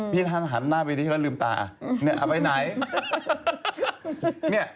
พี่ท่านหันหน้าไปแล้วลืมตาเอาไปไหน